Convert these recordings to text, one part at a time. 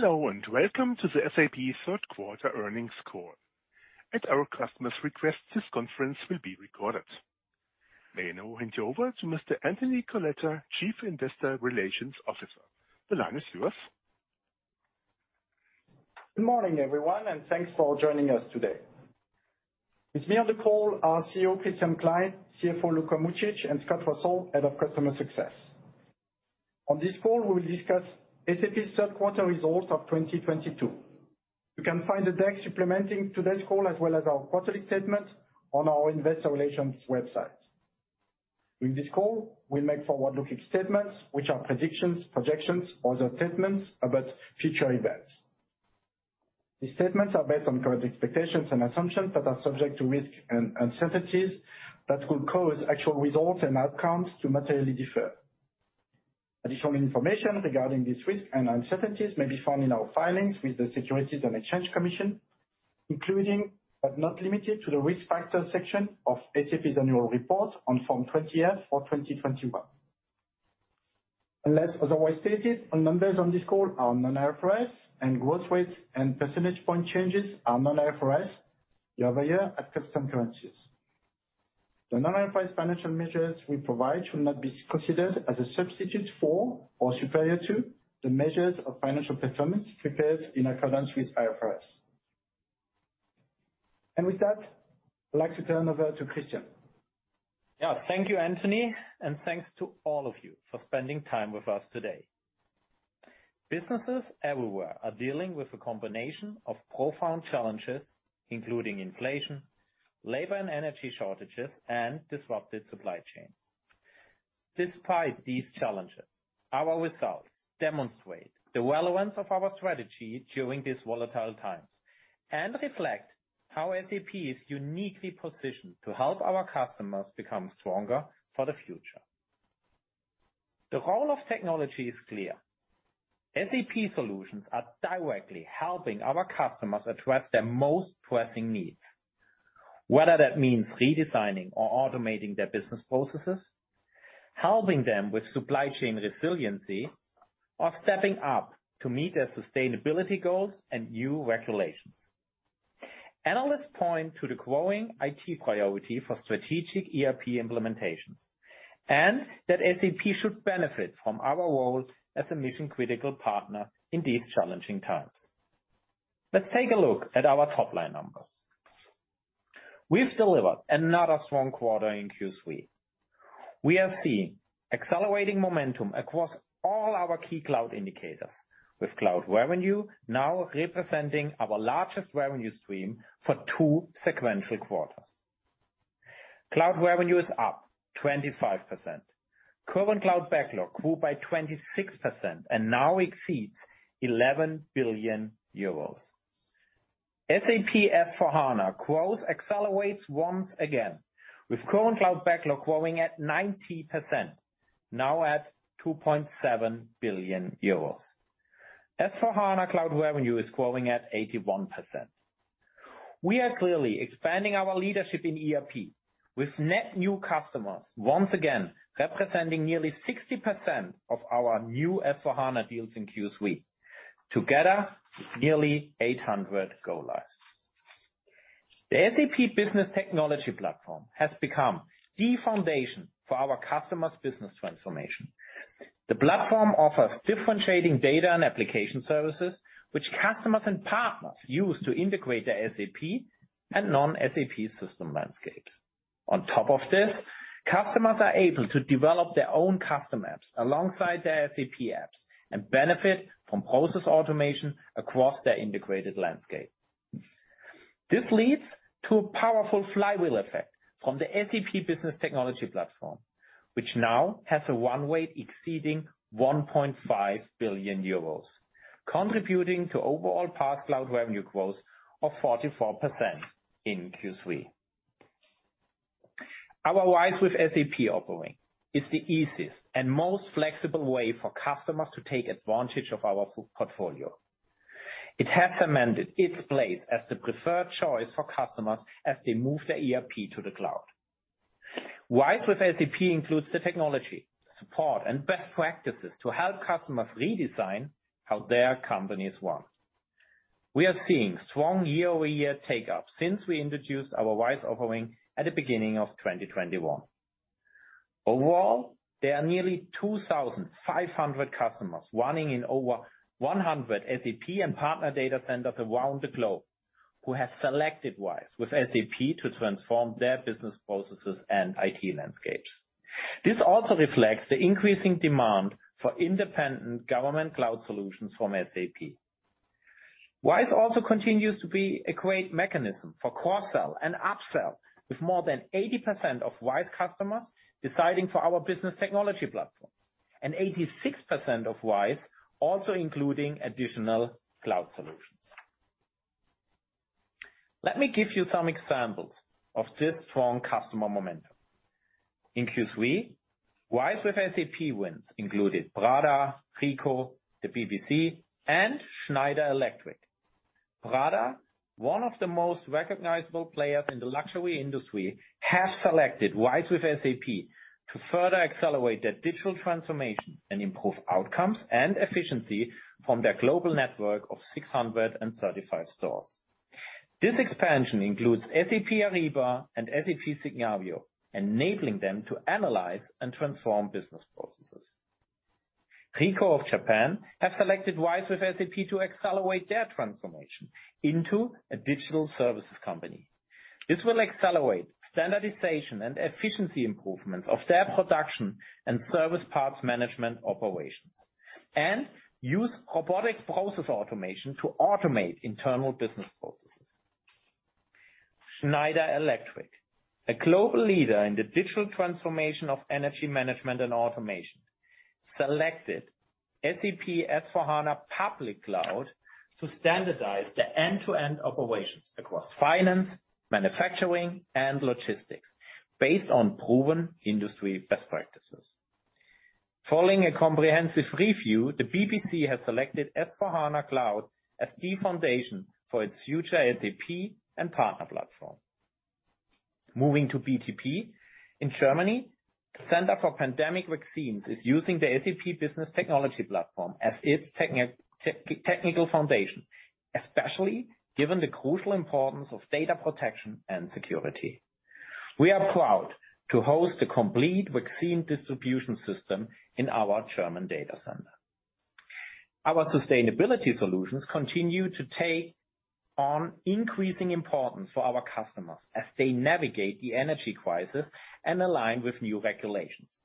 Hello, and welcome to the SAP third quarter earnings call. At our customer's request, this conference will be recorded. May I now hand you over to Mr. Anthony Coletta, Chief Investor Relations Officer. The line is yours. Good morning, everyone, and thanks for joining us today. With me on the call are CEO Christian Klein, CFO Luka Mucic, and Scott Russell, Head of Customer Success. On this call, we will discuss SAP's third quarter results of 2022. You can find the deck supplementing today's call, as well as our quarterly statement on our investor relations website. During this call, we make forward-looking statements, which are predictions, projections, or other statements about future events. These statements are based on current expectations and assumptions that are subject to risk and uncertainties that could cause actual results and outcomes to materially differ. Additional information regarding this risk and uncertainties may be found in our filings with the Securities and Exchange Commission, including, but not limited to the Risk Factors section of SAP's annual report on Form 20-F for 2021. Unless otherwise stated, all numbers on this call are non-IFRS and growth rates and percentage point changes are non-IFRS year-over-year at constant currencies. The non-IFRS financial measures we provide should not be considered as a substitute for or superior to the measures of financial performance prepared in accordance with IFRS. With that, I'd like to turn over to Christian. Yeah. Thank you, Anthony, and thanks to all of you for spending time with us today. Businesses everywhere are dealing with a combination of profound challenges, including inflation, labor and energy shortages, and disrupted supply chains. Despite these challenges, our results demonstrate the relevance of our strategy during these volatile times, and reflect how SAP is uniquely positioned to help our customers become stronger for the future. The role of technology is clear. SAP solutions are directly helping our customers address their most pressing needs, whether that means redesigning or automating their business processes, helping them with supply chain resiliency, or stepping up to meet their sustainability goals and new regulations. Analysts point to the growing IT priority for strategic ERP implementations, and that SAP should benefit from our role as a mission-critical partner in these challenging times. Let's take a look at our top-line numbers. We've delivered another strong quarter in Q3. We are seeing accelerating momentum across all our key cloud indicators, with cloud revenue now representing our largest revenue stream for two sequential quarters. Cloud revenue is up 25%. Current cloud backlog grew by 26%, and now exceeds 11 billion euros. SAP S/4HANA growth accelerates once again, with current cloud backlog growing at 90%, now at 2.7 billion euros. S/4HANA cloud revenue is growing at 81%. We are clearly expanding our leadership in ERP with net new customers once again representing nearly 60% of our new S/4HANA deals in Q3. Together, nearly 800 go-lives. The SAP Business Technology Platform has become the foundation for our customers' business transformation. The platform offers differentiating data and application services which customers and partners use to integrate their SAP and non-SAP system landscapes. On top of this, customers are able to develop their own custom apps alongside their SAP apps and benefit from process automation across their integrated landscape. This leads to a powerful flywheel effect from the SAP Business Technology Platform, which now has a runway exceeding 1.5 billion euros, contributing to overall PaaS cloud revenue growth of 44% in Q3. Our RISE with SAP offering is the easiest and most flexible way for customers to take advantage of our full portfolio. It has cemented its place as the preferred choice for customers as they move their ERP to the cloud. RISE with SAP includes the technology, support, and best practices to help customers redesign how their companies run. We are seeing strong year-over-year take-up since we introduced our RISE offering at the beginning of 2021. Overall, there are nearly 2,500 customers running in over 100 SAP and partner data centers around the globe who have selected RISE with SAP to transform their business processes and IT landscapes. This also reflects the increasing demand for independent government cloud solutions from SAP. RISE also continues to be a great mechanism for cross-sell and upsell, with more than 80% of RISE customers deciding for our Business Technology Platform, and 86% of RISE also including additional cloud solutions. Let me give you some examples of this strong customer momentum. In Q3, RISE with SAP wins included Prada, Ricoh, the BBC, and Schneider Electric. Prada, one of the most recognizable players in the luxury industry, have selected RISE with SAP to further accelerate their digital transformation and improve outcomes and efficiency from their global network of 635 stores. This expansion includes SAP Ariba and SAP Signavio, enabling them to analyze and transform business processes. Ricoh of Japan have selected RISE with SAP to accelerate their transformation into a digital services company. This will accelerate standardization and efficiency improvements of their production and service parts management operations, and use robotic process automation to automate internal business processes. Schneider Electric, a global leader in the digital transformation of energy management and automation, selected SAP S/4HANA Public Cloud to standardize their end-to-end operations across finance, manufacturing, and logistics based on proven industry best practices. Following a comprehensive review, the BBC has selected S/4HANA Cloud as the foundation for its future SAP and partner platform. Moving to BTP. In Germany, the Center for Pandemic Vaccines is using the SAP Business Technology Platform as its technical foundation, especially given the crucial importance of data protection and security. We are proud to host the complete vaccine distribution system in our German data center. Our sustainability solutions continue to take on increasing importance for our customers as they navigate the energy crisis and align with new regulations.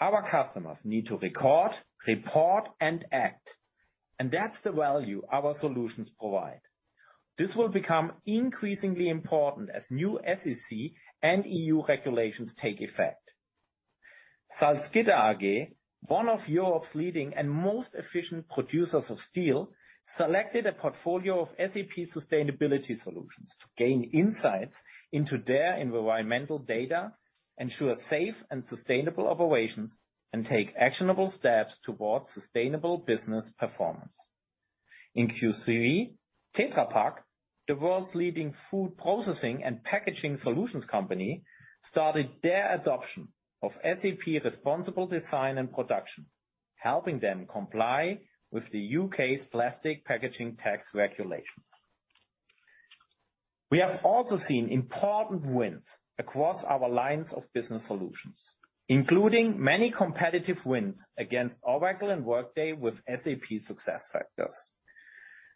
Our customers need to record, report, and act, and that's the value our solutions provide. This will become increasingly important as new SEC and EU regulations take effect. Salzgitter AG, one of Europe's leading and most efficient producers of steel, selected a portfolio of SAP sustainability solutions to gain insights into their environmental data, ensure safe and sustainable operations, and take actionable steps towards sustainable business performance. In Q3, Tetra Pak, the world's leading food processing and packaging solutions company, started their adoption of SAP Responsible Design and Production, helping them comply with the UK's plastic packaging tax regulations. We have also seen important wins across our lines of business solutions, including many competitive wins against Oracle and Workday with SAP SuccessFactors.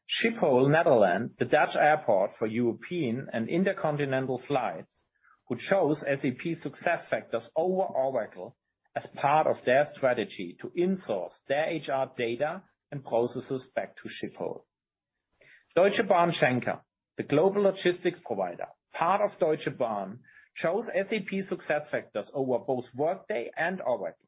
Schiphol, Netherlands, the Dutch airport for European and intercontinental flights, who chose SAP SuccessFactors over Oracle as part of their strategy to insource their HR data and processes back to Schiphol. DB Schenker, the global logistics provider, part of Deutsche Bahn, chose SAP SuccessFactors over both Workday and Oracle.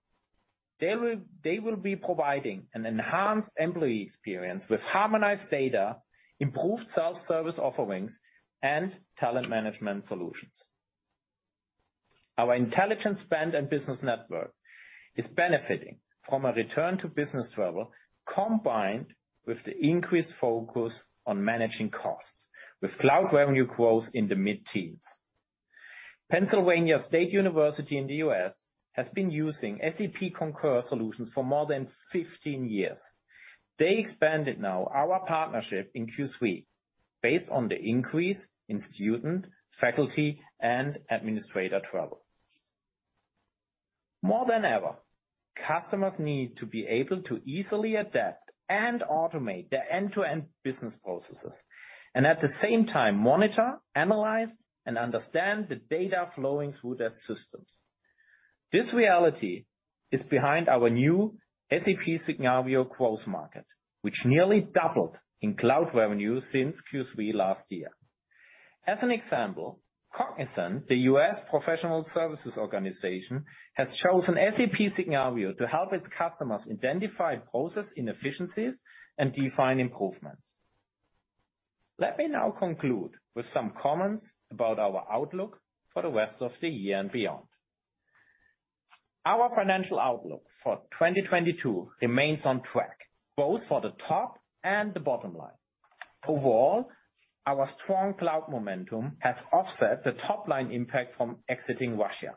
They will be providing an enhanced employee experience with harmonized data, improved self-service offerings, and talent management solutions. Our intelligent spend and business network is benefiting from a return to business travel combined with the increased focus on managing costs with cloud revenue growth in the mid-teens. Pennsylvania State University in the U.S. has been using SAP Concur solutions for more than 15 years. They expanded now our partnership in Q3 based on the increase in student, faculty, and administrator travel. More than ever, customers need to be able to easily adapt and automate their end-to-end business processes, and at the same time, monitor, analyze, and understand the data flowing through their systems. This reality is behind our new SAP Signavio growth market, which nearly doubled in cloud revenue since Q3 last year. As an example, Cognizant, the U.S. professional services organization, has chosen SAP Signavio to help its customers identify process inefficiencies and define improvements. Let me now conclude with some comments about our outlook for the rest of the year and beyond. Our financial outlook for 2022 remains on track, both for the top and the bottom line. Overall, our strong cloud momentum has offset the top-line impact from exiting Russia.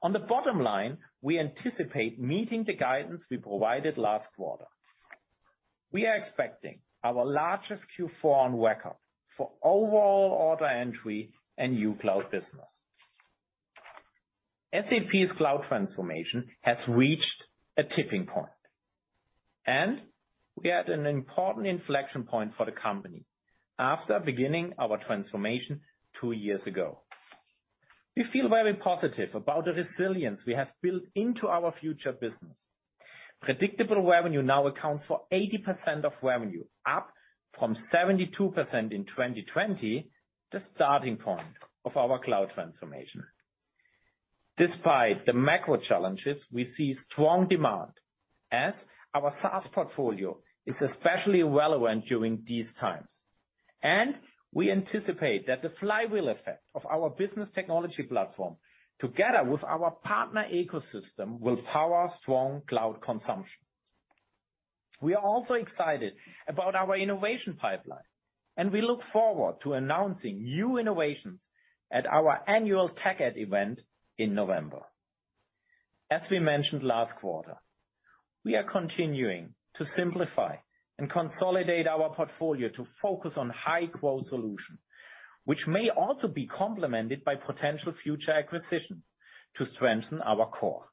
On the bottom line, we anticipate meeting the guidance we provided last quarter. We are expecting our largest Q4 on record for overall order entry and new cloud business. SAP's cloud transformation has reached a tipping point, and we are at an important inflection point for the company after beginning our transformation two years ago. We feel very positive about the resilience we have built into our future business. Predictable revenue now accounts for 80% of revenue, up from 72% in 2020, the starting point of our cloud transformation. Despite the macro challenges, we see strong demand as our SaaS portfolio is especially relevant during these times. We anticipate that the flywheel effect of our Business Technology Platform, together with our partner ecosystem, will power strong cloud consumption. We are also excited about our innovation pipeline, and we look forward to announcing new innovations at our annual TechEd event in November. As we mentioned last quarter, we are continuing to simplify and consolidate our portfolio to focus on high growth solution, which may also be complemented by potential future acquisition to strengthen our core.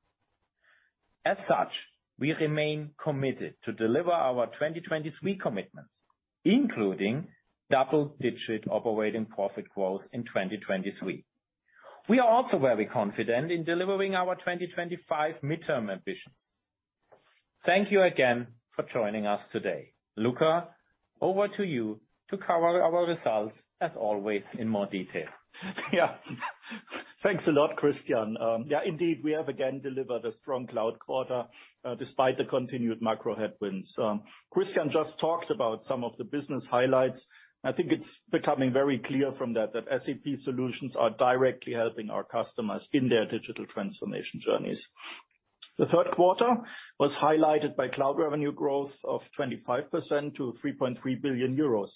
As such, we remain committed to deliver our 2020 suite commitments, including double-digit operating profit growth in 2023. We are also very confident in delivering our 2025 midterm ambitions. Thank you again for joining us today. Luka, over to you to cover our results as always in more detail. Yeah. Thanks a lot, Christian. Yeah, indeed, we have again delivered a strong cloud quarter, despite the continued macro headwinds. Christian just talked about some of the business highlights. I think it's becoming very clear from that SAP solutions are directly helping our customers in their digital transformation journeys. The third quarter was highlighted by cloud revenue growth of 25% to 3.3 billion euros.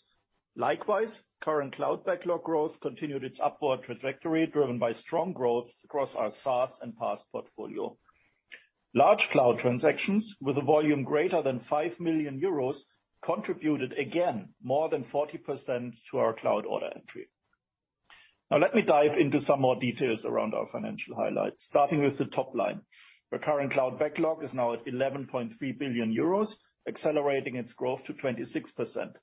Likewise, current cloud backlog growth continued its upward trajectory, driven by strong growth across our SaaS and PaaS portfolio. Large cloud transactions with a volume greater than 5 million euros contributed again more than 40% to our cloud order entry. Now let me dive into some more details around our financial highlights, starting with the top line. Recurrent cloud backlog is now at 11.3 billion euros, accelerating its growth to 26%.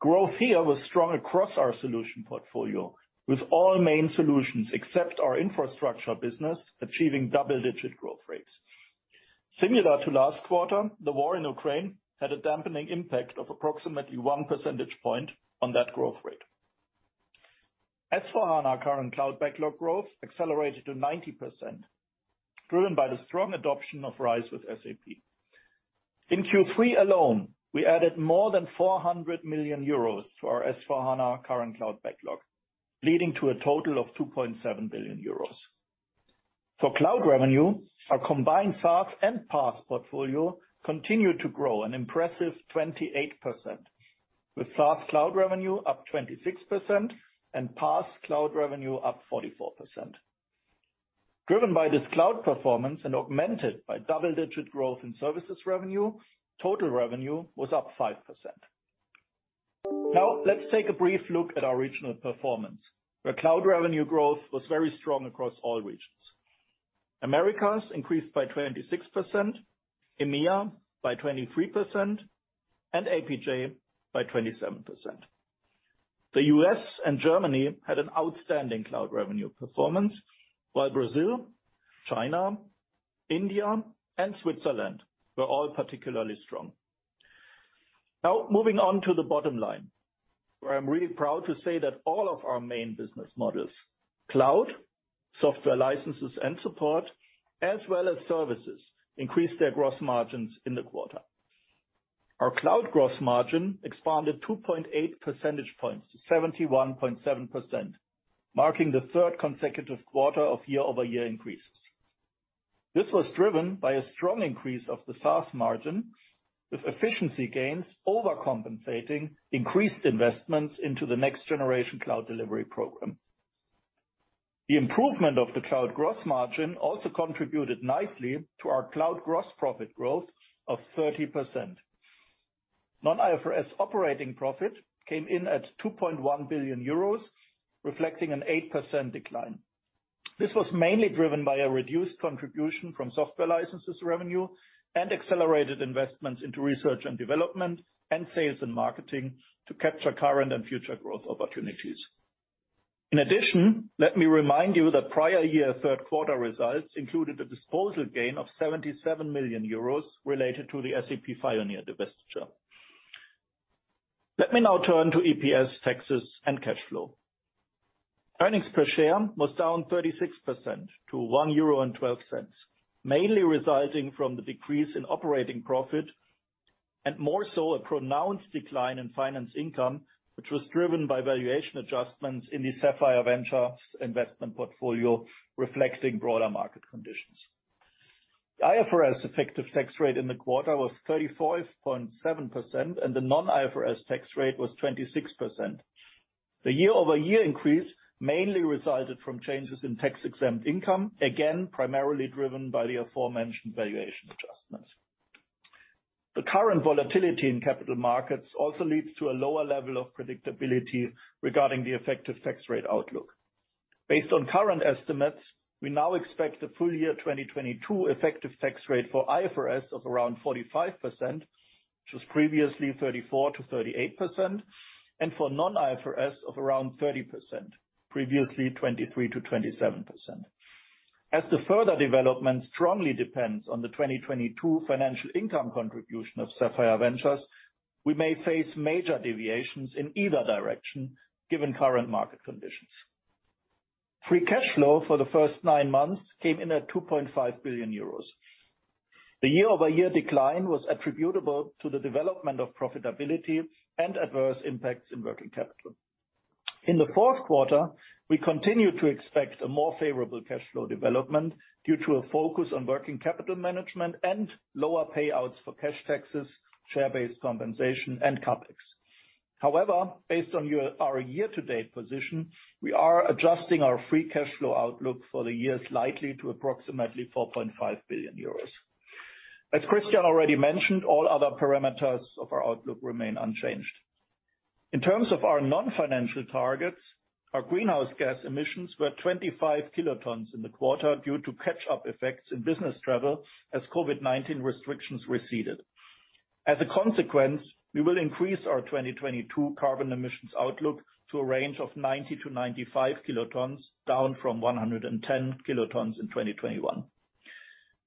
Growth here was strong across our solution portfolio, with all main solutions except our infrastructure business achieving double-digit growth rates. Similar to last quarter, the war in Ukraine had a dampening impact of approximately one percentage point on that growth rate. S/4HANA current cloud backlog growth accelerated to 90%, driven by the strong adoption of RISE with SAP. In Q3 alone, we added more than 400 million euros to our S/4HANA current cloud backlog, leading to a total of 2.7 billion euros. For cloud revenue, our combined SaaS and PaaS portfolio continued to grow an impressive 28%, with SaaS cloud revenue up 26% and PaaS cloud revenue up 44%. Driven by this cloud performance and augmented by double-digit growth in services revenue, total revenue was up 5%. Now let's take a brief look at our regional performance, where cloud revenue growth was very strong across all regions. Americas increased by 26%, EMEA by 23%, and APJ by 27%. The US and Germany had an outstanding cloud revenue performance, while Brazil, China, India, and Switzerland were all particularly strong. Now moving on to the bottom line, where I'm really proud to say that all of our main business models, cloud, software licenses and support, as well as services, increased their gross margins in the quarter. Our cloud gross margin expanded 2.8 percentage points to 71.7%, marking the third consecutive quarter of year-over-year increases. This was driven by a strong increase of the SaaS margin, with efficiency gains over-compensating increased investments into the next generation cloud delivery program. The improvement of the cloud gross margin also contributed nicely to our cloud gross profit growth of 30%. Non-IFRS operating profit came in at 2.1 billion euros, reflecting an 8% decline. This was mainly driven by a reduced contribution from software licenses revenue and accelerated investments into research and development and sales and marketing to capture current and future growth opportunities. In addition, let me remind you that prior year third quarter results included a disposal gain of 77 million euros related to the SAP Fioneer divestiture. Let me now turn to EPS, taxes and cash flow. Earnings per share was down 36% to 1.12 euro, mainly resulting from the decrease in operating profit and more so a pronounced decline in finance income, which was driven by valuation adjustments in the Sapphire Ventures investment portfolio, reflecting broader market conditions. IFRS effective tax rate in the quarter was 35.7%, and the non-IFRS tax rate was 26%. The year-over-year increase mainly resulted from changes in tax-exempt income, again, primarily driven by the aforementioned valuation adjustments. The current volatility in capital markets also leads to a lower level of predictability regarding the effective tax rate outlook. Based on current estimates, we now expect the full year 2022 effective tax rate for IFRS of around 45%, which was previously 34%-38%, and for non-IFRS of around 30%, previously 23%-27%. As the further development strongly depends on the 2022 financial income contribution of Sapphire Ventures, we may face major deviations in either direction, given current market conditions. Free cash flow for the first nine months came in at 2.5 billion euros. The year-over-year decline was attributable to the development of profitability and adverse impacts in working capital. In the fourth quarter, we continued to expect a more favorable cash flow development due to a focus on working capital management and lower payouts for cash taxes, share-based compensation, and CapEx. However, based on our year-to-date position, we are adjusting our free cash flow outlook for the year slightly to approximately 4.5 billion euros. As Christian already mentioned, all other parameters of our outlook remain unchanged. In terms of our non-financial targets, our greenhouse gas emissions were 25 kilotons in the quarter due to catch-up effects in business travel as COVID-19 restrictions receded. As a consequence, we will increase our 2022 carbon emissions outlook to a range of 90-95 kilotons, down from 110 kilotons in 2021.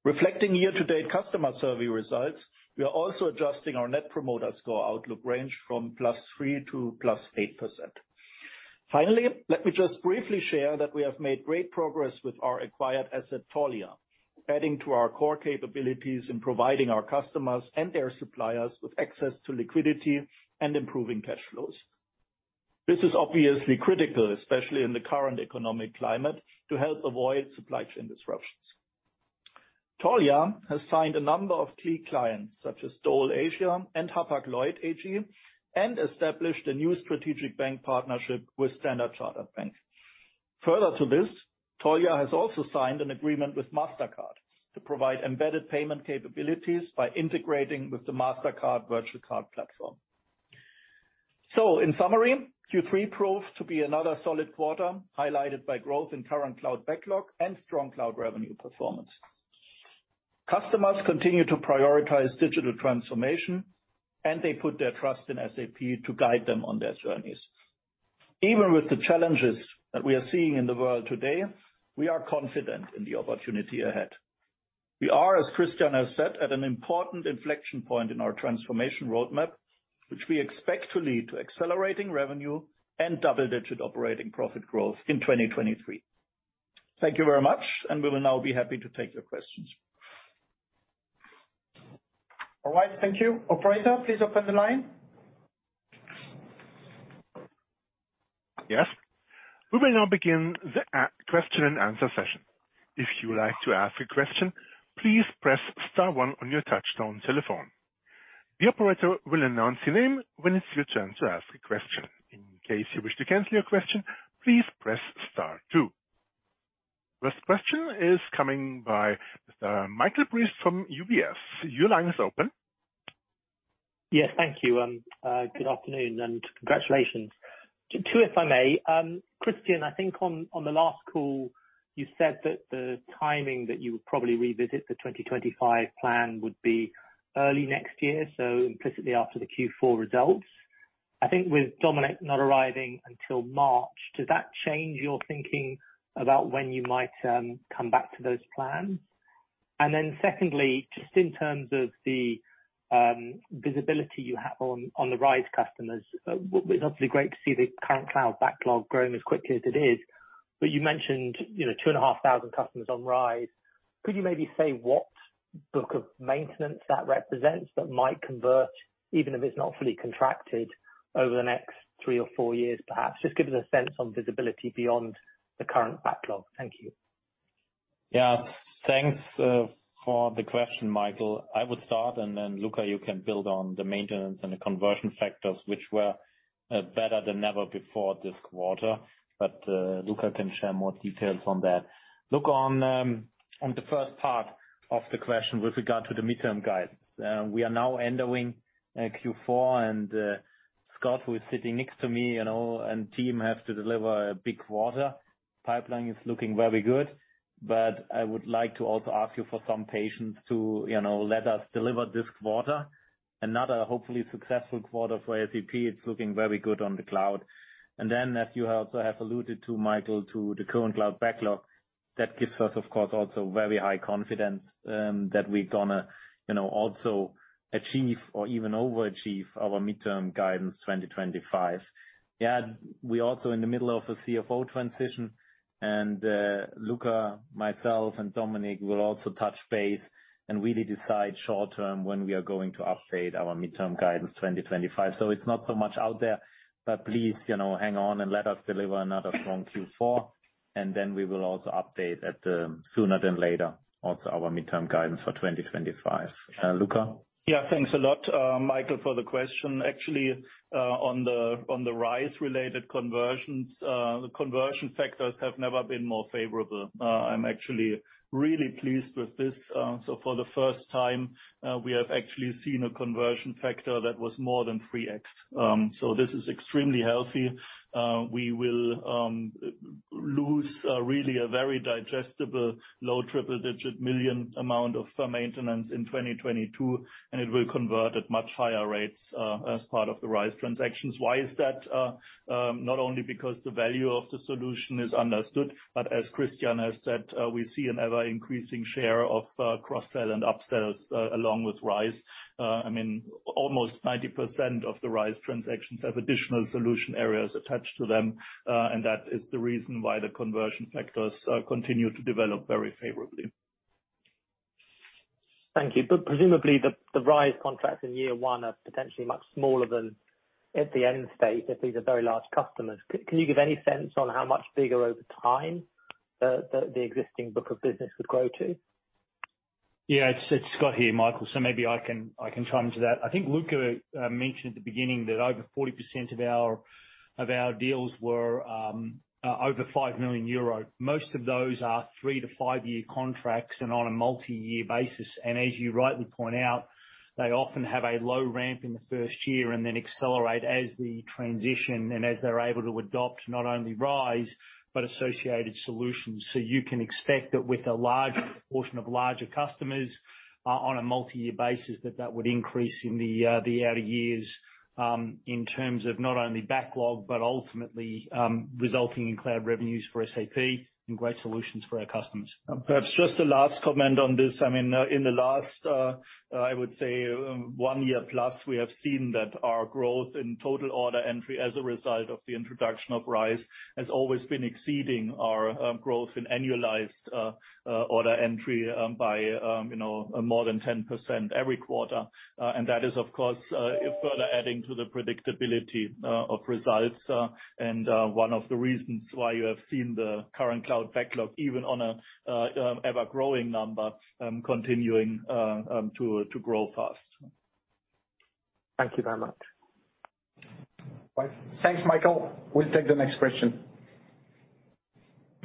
Reflecting year-to-date customer survey results, we are also adjusting our net promoter score outlook range from +3% to +8%. Finally, let me just briefly share that we have made great progress with our acquired asset Taulia, adding to our core capabilities in providing our customers and their suppliers with access to liquidity and improving cash flows. This is obviously critical, especially in the current economic climate, to help avoid supply chain disruptions. Taulia has signed a number of key clients such as Dole Asia and Hapag-Lloyd AG, and established a new strategic bank partnership with Standard Chartered Bank. Further to this, Taulia has also signed an agreement with Mastercard to provide embedded payment capabilities by integrating with the Mastercard virtual card platform. In summary, Q3 proved to be another solid quarter, highlighted by growth in current cloud backlog and strong cloud revenue performance. Customers continue to prioritize digital transformation, and they put their trust in SAP to guide them on their journeys. Even with the challenges that we are seeing in the world today, we are confident in the opportunity ahead. We are, as Christian has said, at an important inflection point in our transformation roadmap, which we expect to lead to accelerating revenue and double-digit operating profit growth in 2023. Thank you very much, and we will now be happy to take your questions. All right. Thank you. Operator, please open the line. Yes. We will now begin the question and answer session. If you would like to ask a question, please press star one on your touchtone telephone. The operator will announce your name when it's your turn to ask a question. In case you wish to cancel your question, please press star two. First question is coming by Michael Briest from UBS. Your line is open. Yes. Thank you, good afternoon, and congratulations. Too, if I may. Christian, I think on the last call, you said that the timing that you would probably revisit the 2025 plan would be early next year, so implicitly after the Q4 results. I think with Dominic not arriving until March, does that change your thinking about when you might come back to those plans? Then secondly, just in terms of the visibility you have on the RISE customers, well, it's obviously great to see the current cloud backlog growing as quickly as it is, but you mentioned, you know, 2,500 customers on RISE. Could you maybe say what book of maintenance that represents that might convert, even if it's not fully contracted over the next three or four years, perhaps? Just give us a sense on visibility beyond the current backlog. Thank you. Yeah. Thanks for the question, Michael. I would start, and then Luca, you can build on the maintenance and the conversion factors which were better than ever before this quarter. Luca can share more details on that. Look on the first part of the question with regard to the midterm guidance. We are now entering Q4, and Scott, who is sitting next to me, you know, and team have to deliver a big quarter. Pipeline is looking very good. I would like to also ask you for some patience to, you know, let us deliver this quarter, another hopefully successful quarter for SAP. It's looking very good on the cloud. As you also have alluded to, Michael, to the current cloud backlog, that gives us, of course, also very high confidence that we're gonna, you know, also achieve or even overachieve our midterm guidance 2025. Yeah. We're also in the middle of a CFO transition and, Luca, myself, and Dominic will also touch base and really decide short term when we are going to update our midterm guidance 2025. So it's not so much out there, but please, you know, hang on and let us deliver another strong Q4, and then we will also update at, sooner than later also our midterm guidance for 2025. Luca? Yeah. Thanks a lot, Michael, for the question. Actually, on the Rise-related conversions, the conversion factors have never been more favorable. I'm actually really pleased with this. For the first time, we have actually seen a conversion factor that was more than 3x. This is extremely healthy. We will lose really a very digestible EUR low triple-digit million amount of maintenance in 2022, and it will convert at much higher rates as part of the Rise transactions. Why is that? Not only because the value of the solution is understood, but as Christian has said, we see an ever-increasing share of cross-sell and upsells along with Rise. I mean, almost 90% of the RISE transactions have additional solution areas attached to them, and that is the reason why the conversion factors continue to develop very favorably. Thank you. Presumably the RISE contracts in year one are potentially much smaller than at the end state if these are very large customers. Can you give any sense on how much bigger over time the existing book of business would grow to? It's Scott here, Michael, so maybe I can chime in to that. I think Luka Mucic mentioned at the beginning that over 40% of our deals were over 5 million euro. Most of those are 3-to-5-year contracts and on a multi-year basis. You rightly point out, they often have a low ramp in the first year and then accelerate as we transition and as they're able to adopt not only RISE but associated solutions. You can expect that with a large proportion of larger customers on a multi-year basis, that would increase in the outer years in terms of not only backlog, but ultimately resulting in cloud revenues for SAP and great solutions for our customers. Perhaps just a last comment on this. I mean, in the last, I would say one year plus, we have seen that our growth in total order entry as a result of the introduction of RISE has always been exceeding our growth in annualized order entry by, you know, more than 10% every quarter. That is of course further adding to the predictability of results, and one of the reasons why you have seen the current cloud backlog, even on a ever-growing number, continuing to grow fast. Thank you very much. Bye. Thanks, Michael. We'll take the next question.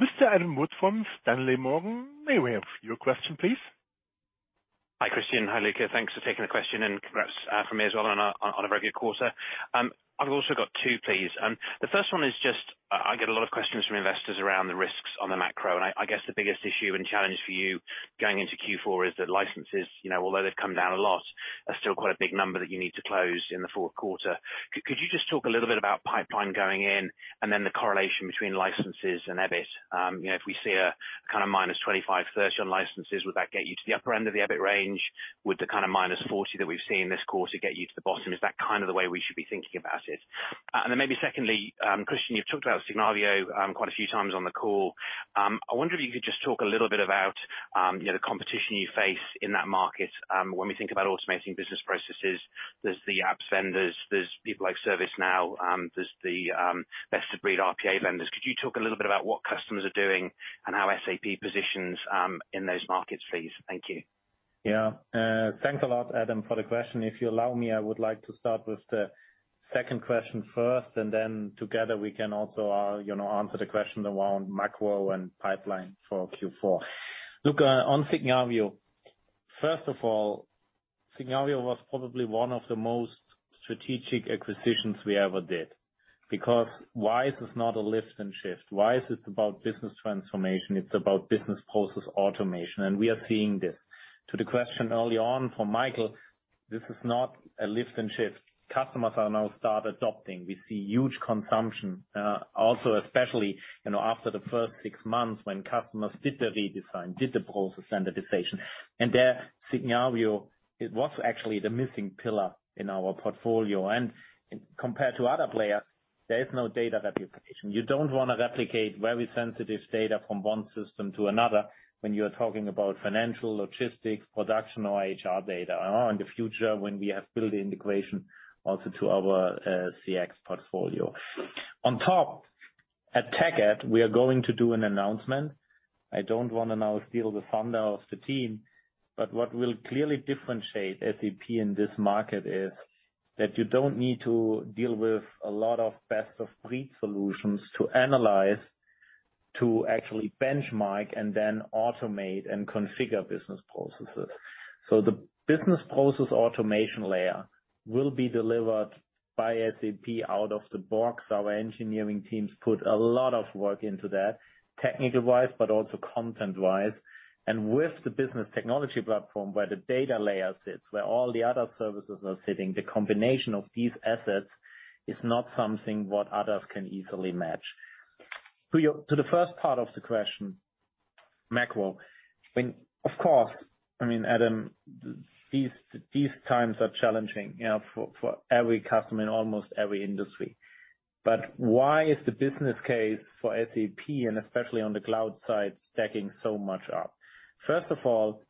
Mr. Adam Wood from Morgan Stanley, may we have your question please? Hi, Christian. Hi, Luka. Thanks for taking the question, and congrats from me as well on a very good quarter. I've also got two, please. The first one is just I get a lot of questions from investors around the risks on the macro, and I guess the biggest issue and challenge for you going into Q4 is that licenses, you know, although they've come down a lot, are still quite a big number that you need to close in the fourth quarter. Could you just talk a little bit about pipeline going in and then the correlation between licenses and EBIT? You know, if we see a kind of minus 25-30 on licenses, would that get you to the upper end of the EBIT range? Would the kind of -40% that we've seen this quarter get you to the bottom? Is that kind of the way we should be thinking about it? Maybe secondly, Christian, you've talked about Signavio quite a few times on the call. I wonder if you could just talk a little bit about you know, the competition you face in that market. When we think about automating business processes, there's the ERP vendors, there's people like ServiceNow, there's the best-of-breed RPA vendors. Could you talk a little bit about what customers are doing and how SAP positions in those markets, please? Thank you. Yeah. Thanks a lot, Adam, for the question. If you allow me, I would like to start with the second question first, and then together we can also answer the question around macro and pipeline for Q4. Look, on Signavio, first of all, Signavio was probably one of the most strategic acquisitions we ever did, because RISE is not a lift and shift. RISE, it is about business transformation, it is about business process automation, and we are seeing this. To the question earlier on from Michael, this is not a lift and shift. Customers are now start adopting. We see huge consumption, also especially, you know, after the first six months when customers did the redesign, did the process standardization. There, Signavio, it was actually the missing pillar in our portfolio. Compared to other players, there is no data replication. You don't wanna replicate very sensitive data from one system to another when you are talking about financial, logistics, production or HR data, or in the future when we have built the integration also to our CX portfolio. On top, at TechEd, we are going to do an announcement. I don't wanna now steal the thunder of the team, but what will clearly differentiate SAP in this market is that you don't need to deal with a lot of best-of-breed solutions to analyze, to actually benchmark and then automate and configure business processes. The business process automation layer will be delivered by SAP out of the box. Our engineering teams put a lot of work into that, technical-wise, but also content-wise. With the Business Technology Platform where the data layer sits, where all the other services are sitting, the combination of these assets is not something what others can easily match. To the first part of the question, macro. I mean, of course, Adam, these times are challenging, you know, for every customer in almost every industry. Why is the business case for SAP, and especially on the cloud side, stacking so much up? First of all,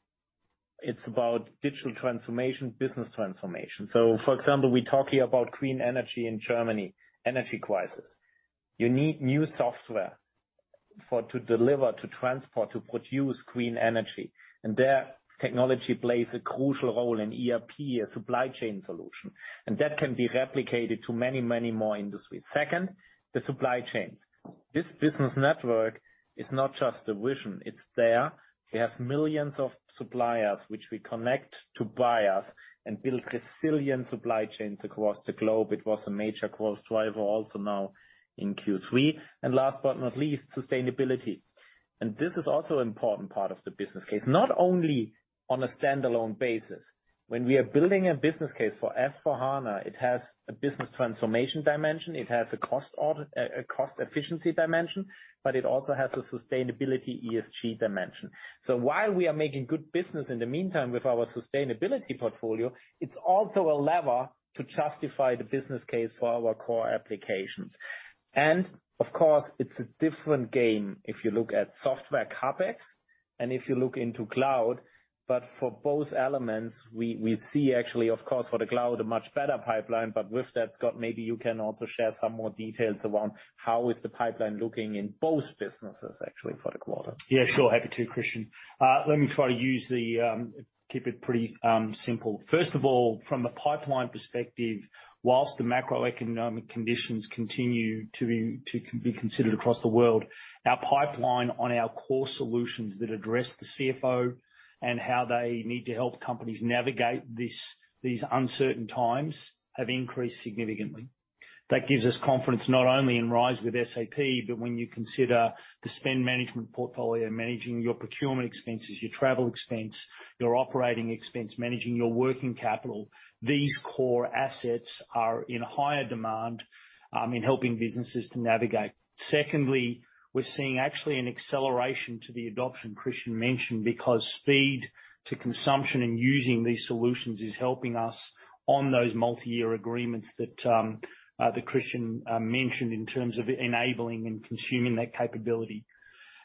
it's about digital transformation, business transformation. For example, we talk here about green energy in Germany, energy crisis. You need new software to deliver, to transport, to produce green energy. There technology plays a crucial role in ERP, a supply chain solution. That can be replicated to many, many more industries. Second, the supply chains. This business network is not just a vision, it's there. We have millions of suppliers which we connect to buyers and build resilient supply chains across the globe. It was a major growth driver also now in Q3. Last but not least, sustainability. This is also an important part of the business case, not only on a standalone basis. When we are building a business case for S/4HANA, it has a business transformation dimension, it has a cost efficiency dimension, but it also has a sustainability ESG dimension. While we are making good business in the meantime with our sustainability portfolio, it's also a lever to justify the business case for our core applications. Of course it's a different game if you look at software CapEx and if you look into cloud. For both elements, we see actually, of course, for the cloud, a much better pipeline. With that, Scott, maybe you can also share some more details around how is the pipeline looking in both businesses actually for the quarter? Yeah, sure. Happy to, Christian. Let me try to keep it pretty simple. First of all, from a pipeline perspective, while the macroeconomic conditions continue to be considered across the world, our pipeline on our core solutions that address the CFO and how they need to help companies navigate these uncertain times have increased significantly. That gives us confidence not only in RISE with SAP, but when you consider the spend management portfolio, managing your procurement expenses, your travel expense, your operating expense, managing your working capital, these core assets are in higher demand in helping businesses to navigate. Secondly, we're seeing actually an acceleration to the adoption Christian mentioned because speed to consumption and using these solutions is helping us on those multiyear agreements that Christian mentioned in terms of enabling and consuming that capability.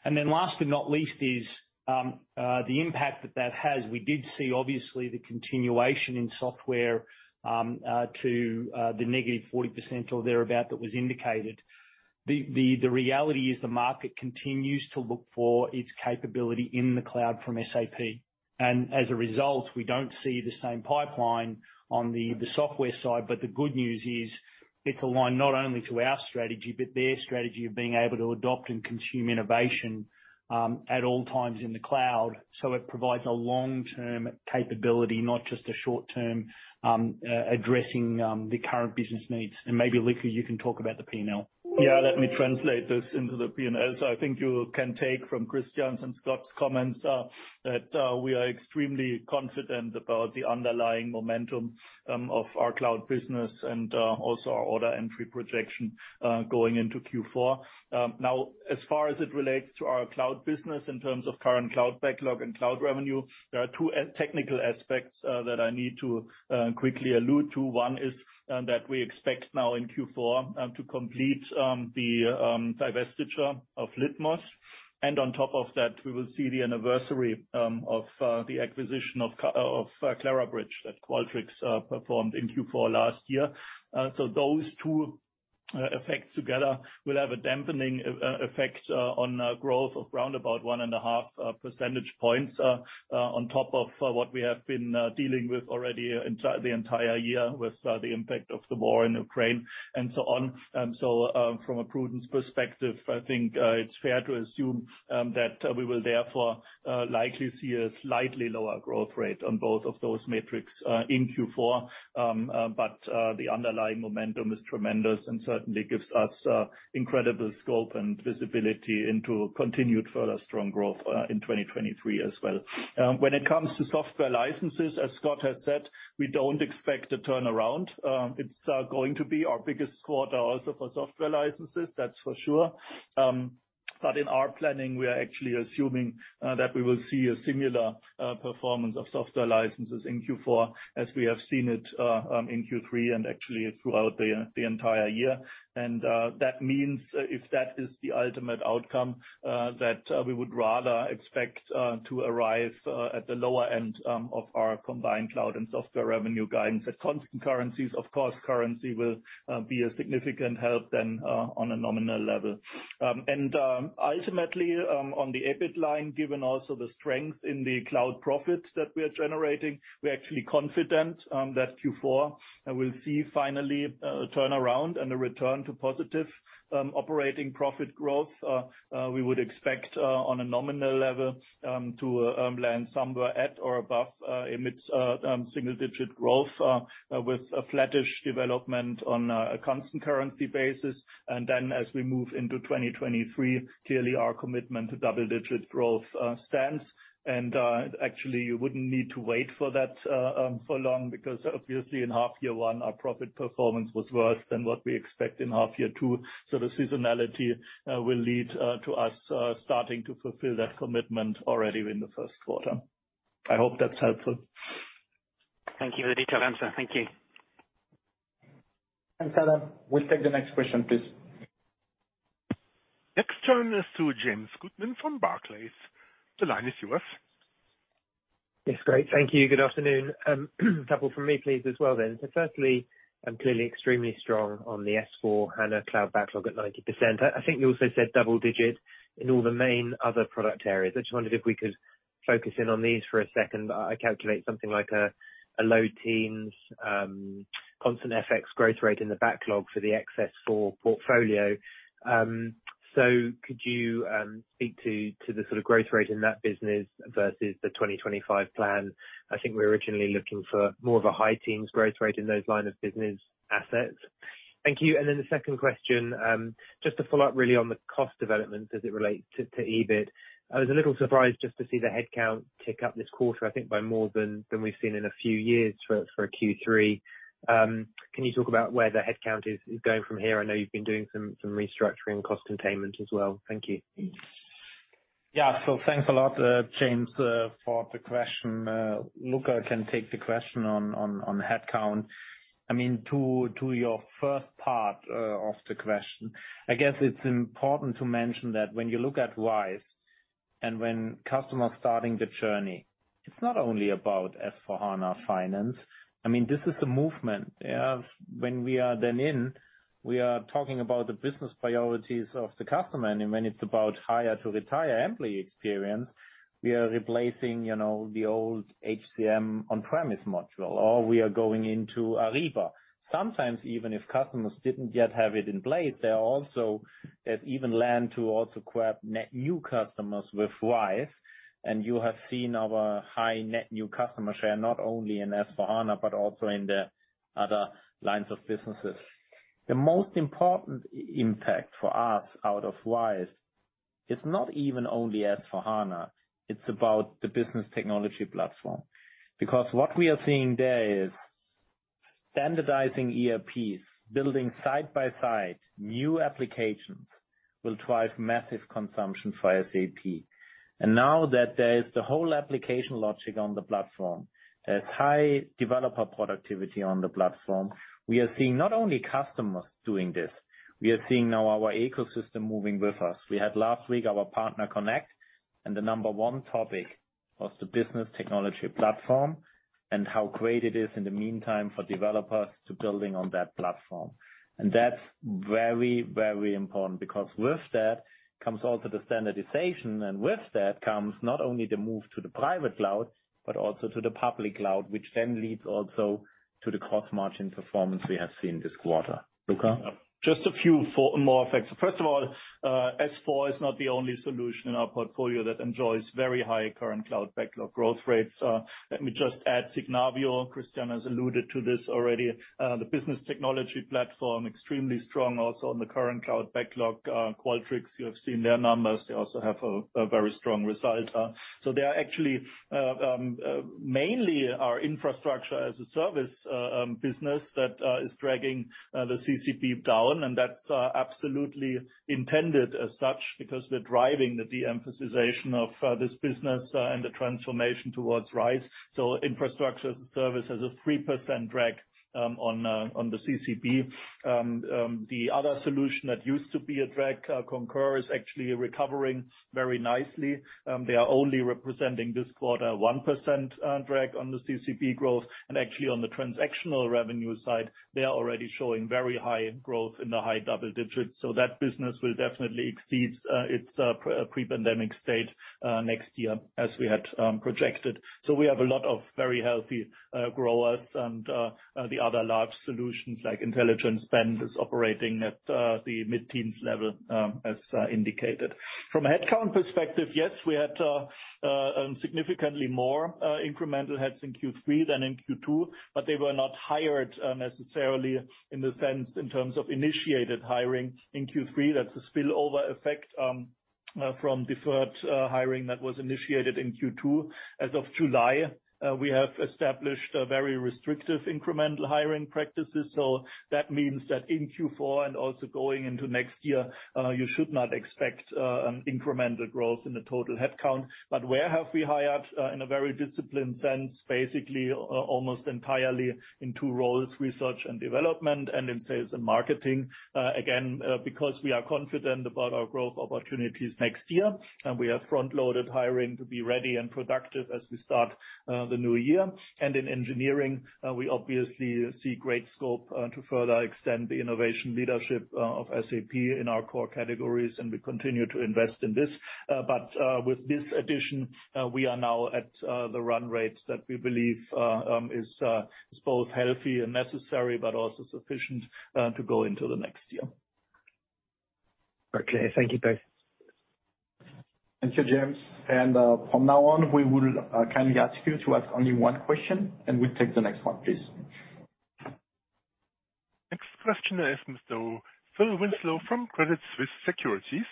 Last but not least is the impact that that has. We did see obviously the continuation in software to the negative 40% or thereabout that was indicated. The reality is the market continues to look for its capability in the cloud from SAP, and as a result, we don't see the same pipeline on the software side. But the good news is it's aligned not only to our strategy but their strategy of being able to adopt and consume innovation at all times in the cloud. It provides a long-term capability, not just a short-term addressing the current business needs. Maybe, Luka, you can talk about the P&L. Yeah, let me translate this into the P&L. I think you can take from Christian's and Scott's comments that we are extremely confident about the underlying momentum of our cloud business and also our order entry projection going into Q4. Now, as far as it relates to our cloud business in terms of current cloud backlog and cloud revenue, there are two technical aspects that I need to quickly allude to. One is that we expect now in Q4 to complete the divestiture of Litmos. On top of that, we will see the anniversary of the acquisition of Clarabridge that Qualtrics performed in Q4 last year. Those two effects together will have a dampening effect on growth of around about 1.5 percentage points on top of what we have been dealing with already the entire year with the impact of the war in Ukraine and so on. From a prudence perspective, I think it's fair to assume that we will therefore likely see a slightly lower growth rate on both of those metrics in Q4. The underlying momentum is tremendous and certainly gives us incredible scope and visibility into continued further strong growth in 2023 as well. When it comes to software licenses, as Scott has said, we don't expect a turnaround. It's going to be our biggest quarter also for software licenses, that's for sure. In our planning, we are actually assuming that we will see a similar performance of software licenses in Q4 as we have seen it in Q3 and actually throughout the entire year. That means if that is the ultimate outcome, that we would rather expect to arrive at the lower end of our combined cloud and software revenue guidance at constant currencies. Of course, currency will be a significant help then on a nominal level. Ultimately, on the EBIT line, given also the strength in the cloud profit that we are generating, we're actually confident that Q4 will see finally a turnaround and a return to positive operating profit growth. We would expect, on a nominal level, to land somewhere at or above mid-single-digit growth, with a flattish development on a constant currency basis. Then as we move into 2023, clearly our commitment to double-digit growth stands. Actually you wouldn't need to wait for that for long because obviously in half year one, our profit performance was worse than what we expect in half year two. The seasonality will lead to us starting to fulfill that commitment already in the first quarter. I hope that's helpful. Thank you for the detailed answer. Thank you. Thanks, Adam. We'll take the next question, please. Next turn is to James Goodman from Barclays. The line is yours. Yes, great. Thank you. Good afternoon. A couple from me, please, as well then. Firstly, clearly extremely strong on the S/4HANA Cloud backlog at 90%. I think you also said double digits in all the main other product areas. I just wondered if we could focus in on these for a second. I calculate something like a low teens constant FX growth rate in the backlog for the SuccessFactors portfolio. Could you speak to the sort of growth rate in that business versus the 2025 plan? I think we're originally looking for more of a high teens growth rate in those line of business assets. Thank you. Then the second question, just to follow up really on the cost development as it relates to EBIT. I was a little surprised just to see the headcount tick up this quarter, I think by more than we've seen in a few years for a Q3. Can you talk about where the headcount is going from here? I know you've been doing some restructuring cost containment as well. Thank you. Yeah. Thanks a lot, James, for the question. Luca can take the question on headcount. I mean, to your first part of the question, I guess it's important to mention that when you look at RISE, and when customers starting the journey, it's not only about S/4HANA finance. I mean, this is the movement. When we are then in, we are talking about the business priorities of the customer. When it's about hire to retire employee experience, we are replacing, you know, the old HCM on-premise module, or we are going into Ariba. Sometimes even if customers didn't yet have it in place, there also is even land to also grab net new customers with RISE. You have seen our high net new customer share, not only in S/4HANA, but also in the other lines of businesses. The most important impact for us out of RISE is not even only S/4HANA, it's about the business technology platform. Because what we are seeing there is standardizing ERPs, building side by side new applications will drive massive consumption for SAP. Now that there is the whole application logic on the platform, there's high developer productivity on the platform, we are seeing not only customers doing this, we are seeing now our ecosystem moving with us. We had last week our Partner Connect, and the number one topic was the business technology platform and how great it is in the meantime for developers to build on that platform. That's very, very important because with that comes also the standardization, and with that comes not only the move to the private cloud, but also to the public cloud, which then leads also to the cost margin performance we have seen this quarter. Luka? Just a few more effects. First of all, S/4 is not the only solution in our portfolio that enjoys very high current cloud backlog growth rates. Let me just add Signavio. Christian has alluded to this already. The business technology platform, extremely strong also in the current cloud backlog. Qualtrics, you have seen their numbers. They also have a very strong result. So they are actually mainly our infrastructure as a service business that is dragging the CCB down, and that's absolutely intended as such because we're driving the de-emphasization of this business and the transformation towards RISE. Infrastructure as a service has a 3% drag on the CCB. The other solution that used to be a drag, Concur, is actually recovering very nicely. They are only representing this quarter a 1% drag on the CCB growth. Actually on the transactional revenue side, they are already showing very high growth in the high double digits. That business will definitely exceeds its pre-pandemic state next year as we had projected. We have a lot of very healthy growers and the other large solutions like Intelligent Spend is operating at the mid-teens level as indicated. From a headcount perspective, yes, we had significantly more incremental heads in Q3 than in Q2, but they were not hired necessarily in the sense in terms of initiated hiring in Q3. That's a spillover effect from deferred hiring that was initiated in Q2. As of July, we have established a very restrictive incremental hiring practices. That means that in Q4 and also going into next year, you should not expect incremental growth in the total headcount. Where have we hired? In a very disciplined sense, basically, almost entirely in two roles, research and development and in sales and marketing. Again, because we are confident about our growth opportunities next year, and we have front-loaded hiring to be ready and productive as we start the new year. In engineering, we obviously see great scope to further extend the innovation leadership of SAP in our core categories, and we continue to invest in this. With this addition, we are now at the run rate that we believe is both healthy and necessary, but also sufficient to go into the next year. Okay. Thank you both. Thank you, James. From now on, we will kindly ask you to ask only one question and we take the next one, please. Next question is Mr. Phil Winslow from Credit Suisse Securities.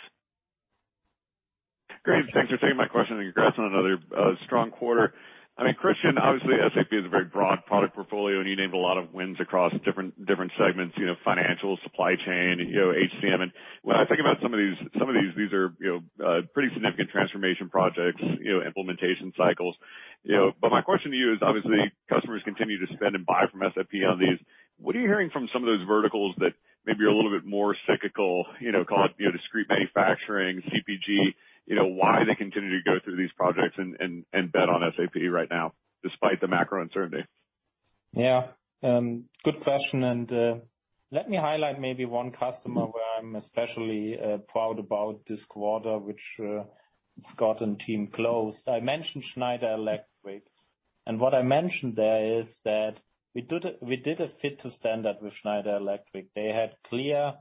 Great. Thanks for taking my question and congrats on another strong quarter. I mean, Christian, obviously SAP is a very broad product portfolio, and you named a lot of wins across different segments, you know, financial, supply chain, you know, HCM. When I think about some of these are, you know, pretty significant transformation projects, you know, implementation cycles, you know. My question to you is, obviously, customers continue to spend and buy from SAP on these. What are you hearing from some of those verticals that maybe are a little bit more cyclical, you know, call it, you know, discrete manufacturing, CPG, you know, why they continue to go through these projects and bet on SAP right now despite the macro uncertainty? Yeah. Good question. Let me highlight maybe one customer where I'm especially proud about this quarter, which Scott and team closed. I mentioned Schneider Electric, and what I mentioned there is that we did a fit to standard with Schneider Electric. They had clear,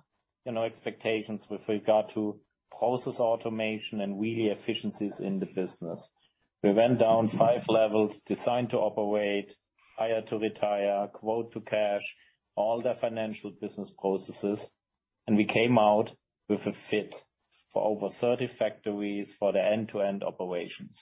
you know, expectations with regard to process automation and really efficiencies in the business. We went down five levels, designed to operate, hire to retire, quote to cash, all their financial business processes. We came out with a fit for over 30 factories for their end-to-end operations.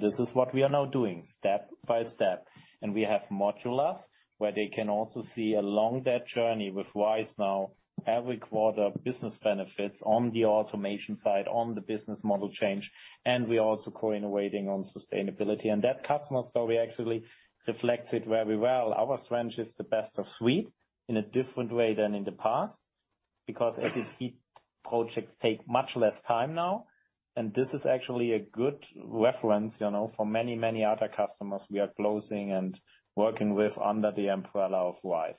This is what we are now doing step by step. We have modules, where they can also see along their journey with RISE now every quarter business benefits on the automation side, on the business model change, and we are also co-innovating on sustainability. That customer story actually reflects it very well. Our strength is the best of suite in a different way than in the past, because SAP projects take much less time now, and this is actually a good reference, you know, for many, many other customers we are closing and working with under the umbrella of RISE.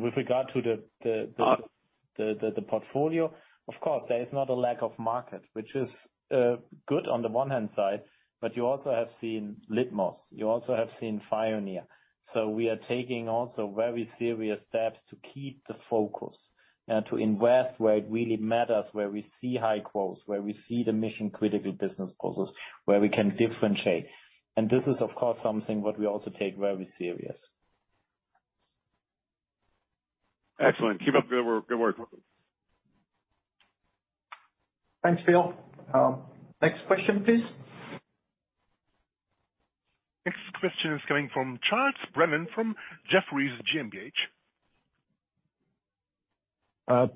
With regard to the portfolio, of course, there is not a lack of market, which is good on the one hand side, but you also have seen Litmos. You also have seen Fioneer. We are taking also very serious steps to keep the focus and to invest where it really matters, where we see high quotes, where we see the mission-critical business process, where we can differentiate. This is, of course, something what we also take very serious. Excellent. Keep up the good work. Thanks, Bill. Next question, please. Next question is coming from Charles Brennan from Jefferies GmbH.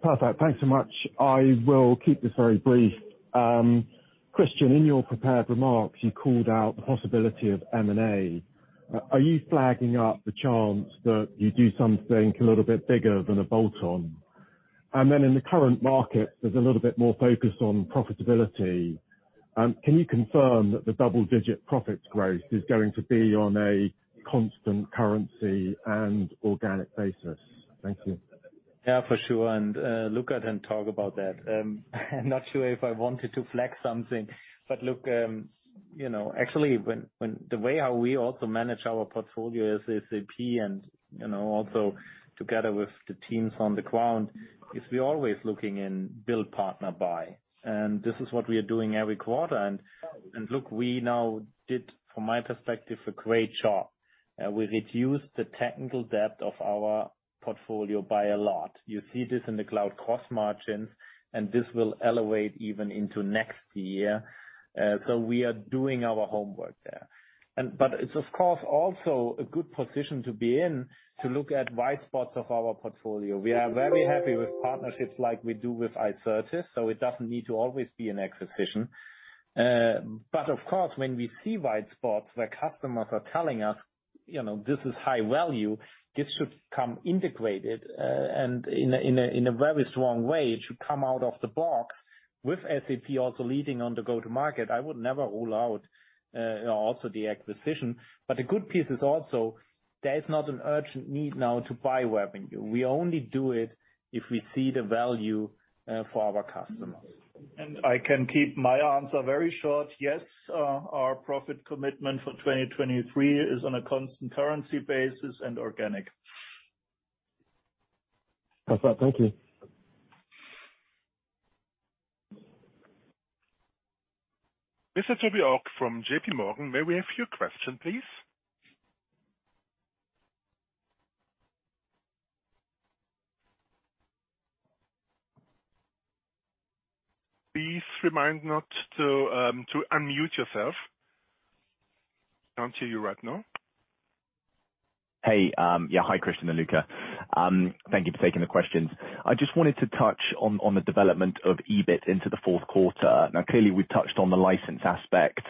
Perfect. Thanks so much. I will keep this very brief. Christian, in your prepared remarks, you called out the possibility of M&A. Are you flagging up the chance that you do something a little bit bigger than a bolt-on? In the current market, there's a little bit more focus on profitability. Can you confirm that the double-digit profits growth is going to be on a constant currency and organic basis? Thank you. Yeah, for sure. Luka can talk about that. I'm not sure if I wanted to flag something. You know, actually, the way how we also manage our portfolio as SAP and, you know, also together with the teams on the ground, is we're always looking in build, partner, buy. This is what we are doing every quarter. Look, we now did, from my perspective, a great job. We reduced the technical debt of our portfolio by a lot. You see this in the cloud cost margins, and this will elevate even into next year. We are doing our homework there. It's of course also a good position to be in to look at white spaces of our portfolio. We are very happy with partnerships like we do with Icertis, so it doesn't need to always be an acquisition. Of course, when we see white spots where customers are telling us, you know, this is high value, this should come integrated, and in a very strong way, it should come out of the box with SAP also leading on the go-to-market. I would never rule out, you know, also the acquisition. The good piece is also there is not an urgent need now to buy revenue. We only do it if we see the value, for our customers. I can keep my answer very short. Yes, our profit commitment for 2023 is on a constant currency basis and organic. Perfect. Thank you. Mr. Toby Ogg from JP Morgan, may we have your question, please? Please remember not to unmute yourself. Can't hear you right now. Hi, Christian and Luca. Thank you for taking the questions. I just wanted to touch on the development of EBIT into the fourth quarter. Now, clearly, we've touched on the license aspect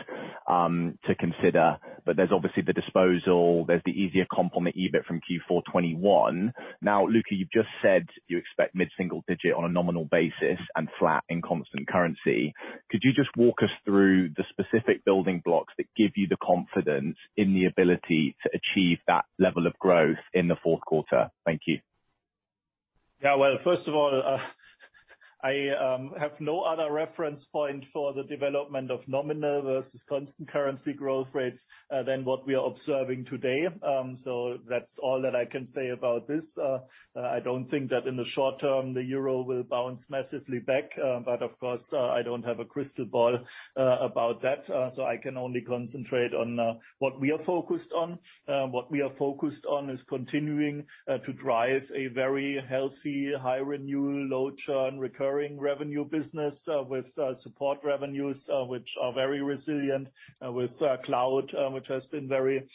to consider, but there's obviously the disposal, there's the easier comparable EBIT from Q4 2021. Now, Luca, you've just said you expect mid-single-digit on a nominal basis and flat in constant currency. Could you just walk us through the specific building blocks that give you the confidence in the ability to achieve that level of growth in the fourth quarter? Thank you. Yeah. Well, first of all, I have no other reference point for the development of nominal versus constant currency growth rates than what we are observing today. That's all that I can say about this. I don't think that in the short term, the euro will bounce massively back, but of course, I don't have a crystal ball about that. I can only concentrate on what we are focused on. What we are focused on is continuing to drive a very healthy, high renewal, low churn recurring revenue business, with support revenues, which are very resilient, with cloud, which has been very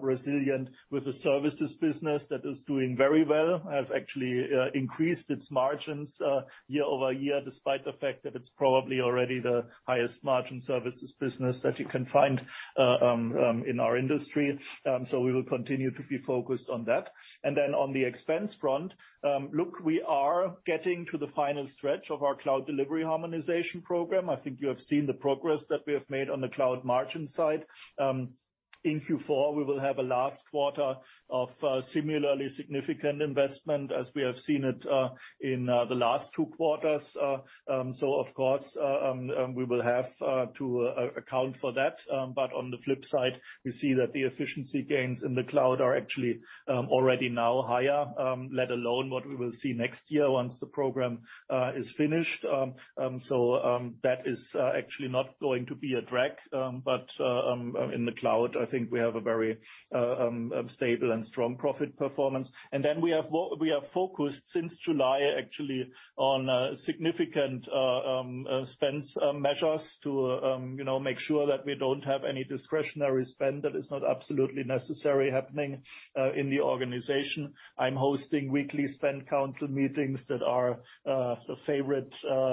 resilient with the services business that is doing very well. Has actually increased its margins year over year, despite the fact that it's probably already the highest margin services business that you can find in our industry. We will continue to be focused on that. On the expense front, look, we are getting to the final stretch of our Cloud Delivery Harmonization program. I think you have seen the progress that we have made on the cloud margin side. In Q4, we will have a last quarter of similarly significant investment as we have seen it in the last two quarters. Of course, we will have to account for that. On the flip side, we see that the efficiency gains in the cloud are actually already now higher, let alone what we will see next year once the program is finished. That is actually not going to be a drag. In the cloud, I think we have a very stable and strong profit performance. Then we have focused since July, actually, on significant spending measures to, you know, make sure that we don't have any discretionary spend that is not absolutely necessary happening in the organization. I'm hosting weekly spend council meetings that are the favorite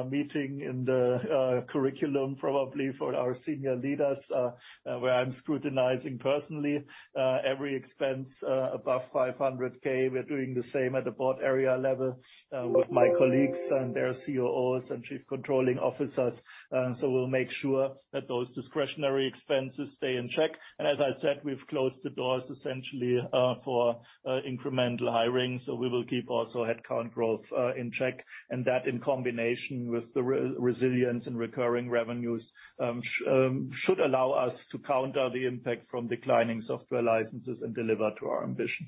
meeting in the calendar probably for our senior leaders, where I'm scrutinizing personally every expense above 500K. We're doing the same at the board area level with my colleagues and their COOs and chief controlling officers. We'll make sure that those discretionary expenses stay in check. As I said, we've closed the doors essentially for incremental hiring. We will keep also headcount growth in check. That in combination with the resilience and recurring revenues should allow us to counter the impact from declining software licenses and deliver to our ambition.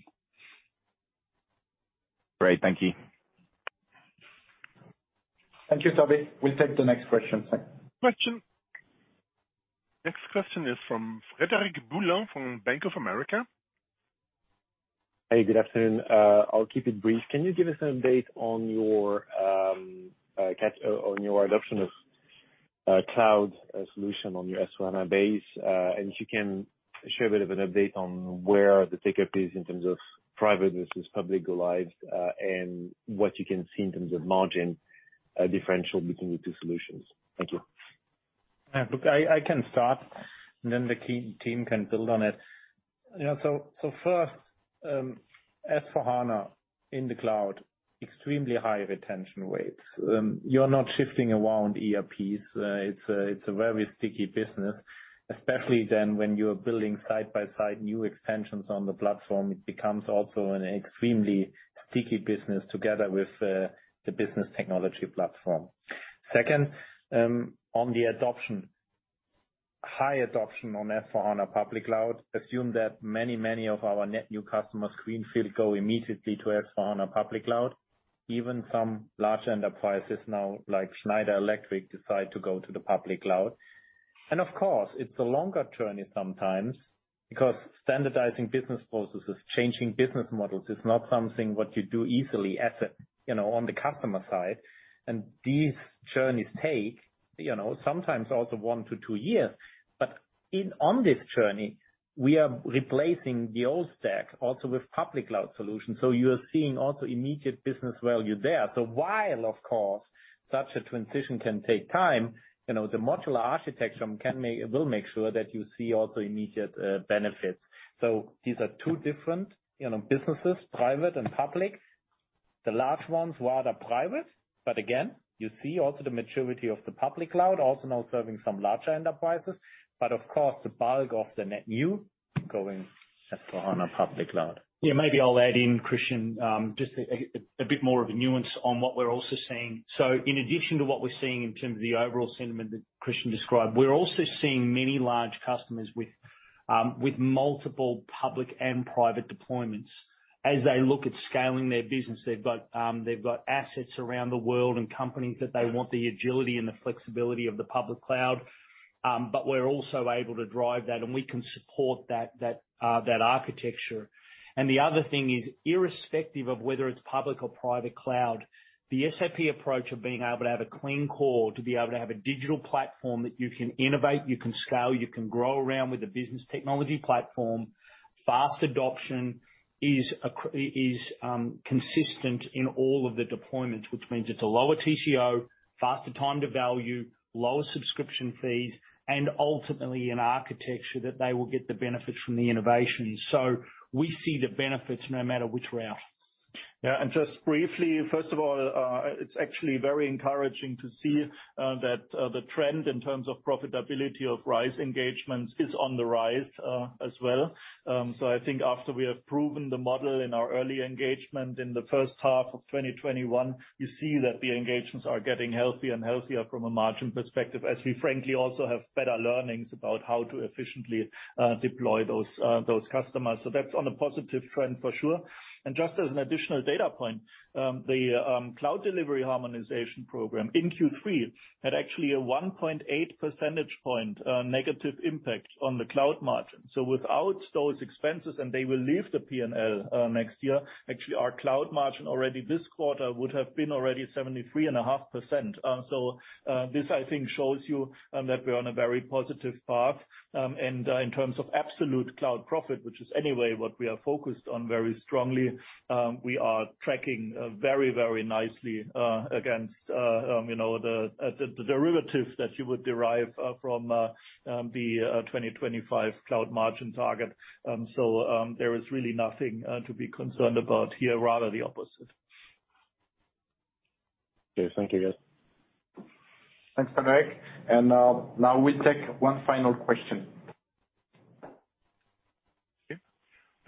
Great. Thank you. Thank you, Toby. We'll take the next question. Next question is from Frederic Boulan from Bank of America. Hey, good afternoon. I'll keep it brief. Can you give us an update on your adoption of cloud solution on your S/4HANA base? If you can share a bit of an update on where the take-up is in terms of private versus public cloud, and what you can see in terms of margin differential between the two solutions. Thank you. Yeah. Look, I can start, and then the key team can build on it. You know, so first, S/4HANA in the cloud, extremely high retention rates. You're not shifting around ERPs. It's a very sticky business, especially then when you are building side by side new extensions on the platform, it becomes also an extremely sticky business together with the business technology platform. Second, on the adoption. High adoption on S/4HANA Public Cloud. Assume that many of our net new customers greenfield go immediately to S/4HANA Public Cloud. Even some large enterprises now, like Schneider Electric, decide to go to the public cloud. Of course, it's a longer journey sometimes because standardizing business processes, changing business models is not something what you do easily as a, you know, on the customer side. These journeys take, you know, sometimes also one to two years. In, on this journey, we are replacing the old stack also with public cloud solutions. You are seeing also immediate business value there. While, of course, such a transition can take time, you know, the modular architecture can make, will make sure that you see also immediate, benefits. These are two different, you know, businesses, private and public. The large ones rather private. Again, you see also the maturity of the public cloud also now serving some larger enterprises. Of course, the bulk of the net new going S/4HANA Public Cloud. Yeah, maybe I'll add in Christian, just a bit more of a nuance on what we're also seeing. In addition to what we're seeing in terms of the overall sentiment that Christian described, we're also seeing many large customers with multiple public and private deployments. As they look at scaling their business, they've got assets around the world and companies that they want the agility and the flexibility of the public cloud. We're also able to drive that, and we can support that architecture. The other thing is, irrespective of whether it's public or private cloud, the SAP approach of being able to have a clean core, to be able to have a digital platform that you can innovate, you can scale, you can grow around with a business technology platform, fast adoption is consistent in all of the deployments, which means it's a lower TCO, faster time to value, lower subscription fees, and ultimately an architecture that they will get the benefits from the innovations. We see the benefits no matter which route. Yeah. Just briefly, first of all, it's actually very encouraging to see that the trend in terms of profitability of Rise engagements is on the rise, as well. I think after we have proven the model in our early engagement in the first half of 2021, you see that the engagements are getting healthy and healthier from a margin perspective, as we frankly also have better learnings about how to efficiently deploy those customers. That's on a positive trend for sure. Just as an additional data point, the Cloud Delivery Harmonization program in Q3 had actually a 1.8 percentage point negative impact on the cloud margin. Without those expenses, and they will leave the P&L next year, actually, our cloud margin already this quarter would have been already 73.5%. This, I think, shows you that we're on a very positive path. In terms of absolute cloud profit, which is anyway what we are focused on very strongly, we are tracking very, very nicely against you know, the derivative that you would derive from the 2025 cloud margin target. There is really nothing to be concerned about here, rather the opposite. Okay, thank you guys. Thanks, Eric. Now we take one final question.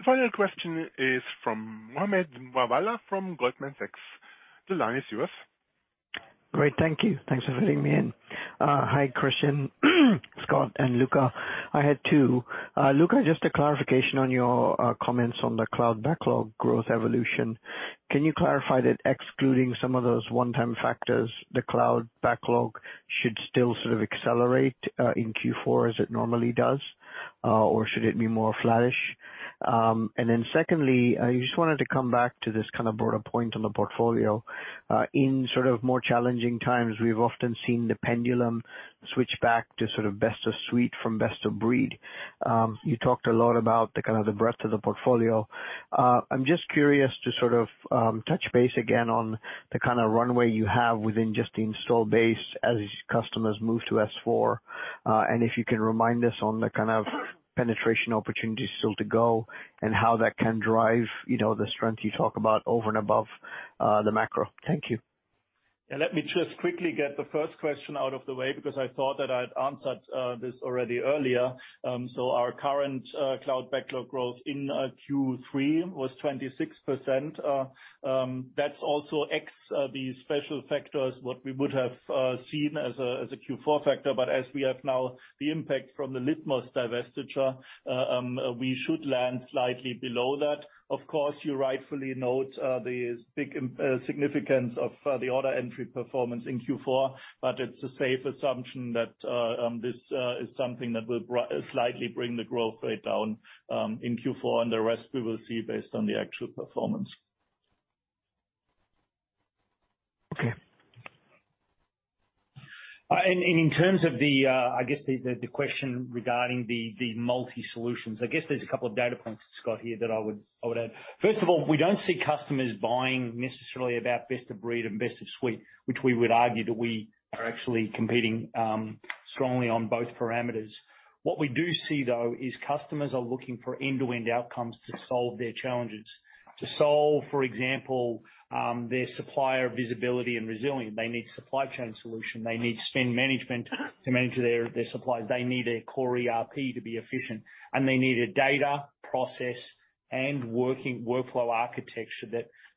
Okay. The final question is from Mohammed Moawalla from Goldman Sachs. The line is yours. Great. Thank you. Thanks for letting me in. Hi, Christian, Scott and Luka. Luka, just a clarification on your comments on the cloud backlog growth evolution. Can you clarify that excluding some of those one-time factors, the cloud backlog should still sort of accelerate in Q4 as it normally does? Or should it be more flattish? Secondly, I just wanted to come back to this kind of broader point on the portfolio. In sort of more challenging times, we've often seen the pendulum switch back to sort of best of suite from best of breed. You talked a lot about the kind of breadth of the portfolio. I'm just curious to sort of touch base again on the kinda runway you have within just the install base as customers move to S/4. If you can remind us on the kind of penetration opportunities still to go and how that can drive, you know, the strength you talk about over and above, the macro. Thank you. Yeah, let me just quickly get the first question out of the way because I thought that I'd answered this already earlier. Our current cloud backlog growth in Q3 was 26%. That's also ex the special factors, what we would have seen as a Q4 factor. As we have now the impact from the Litmos divestiture, we should land slightly below that. Of course, you rightfully note the big significance of the order entry performance in Q4, but it's a safe assumption that this is something that will slightly bring the growth rate down in Q4, and the rest we will see based on the actual performance. Okay. In terms of the question regarding the multi solutions, I guess there's a couple of data points, Scott, here that I would add. First of all, we don't see customers buying necessarily best of breed and best of suite, which we would argue that we are actually competing strongly on both parameters. What we do see, though, is customers are looking for end-to-end outcomes to solve their challenges. To solve, for example, their supplier visibility and resilience. They need supply chain solution. They need spend management to manage their suppliers. They need their core ERP to be efficient, and they need a data process and working workflow architecture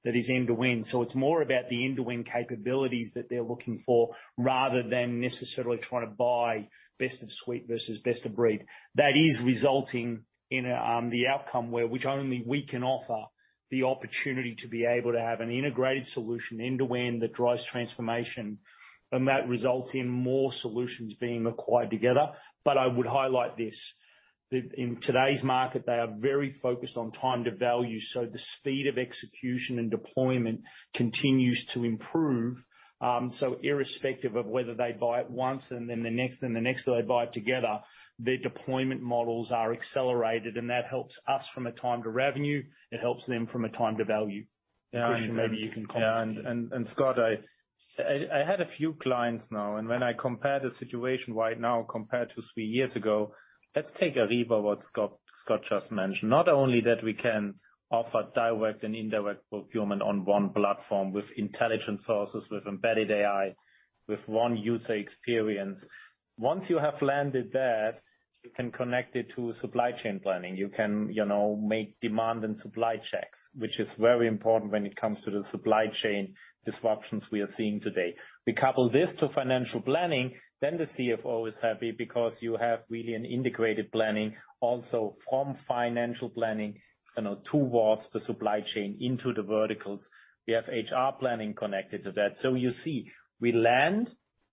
that is end to end. It's more about the end-to-end capabilities that they're looking for, rather than necessarily trying to buy best-of-suite versus best-of-breed. That is resulting in the outcome where only we can offer the opportunity to be able to have an integrated solution end-to-end that drives transformation, and that results in more solutions being acquired together. I would highlight this, in today's market they are very focused on time to value, so the speed of execution and deployment continues to improve. So irrespective of whether they buy it once and then the next and the next, or they buy it together, their deployment models are accelerated, and that helps us from a time to revenue. It helps them from a time to value. Christian, maybe you can comment. Yeah, Scott, I had a few clients now, when I compare the situation right now compared to three years ago, let's take Ariba, what Scott just mentioned. Not only that we can offer direct and indirect procurement on one platform with intelligent sourcing, with embedded AI, with one user experience. Once you have landed that, you can connect it to supply chain planning. You can, you know, make demand and supply checks, which is very important when it comes to the supply chain disruptions we are seeing today. We couple this to financial planning, then the CFO is happy because you have really an integrated planning also from financial planning, you know, towards the supply chain into the verticals. We have HR planning connected to that. You see, we land,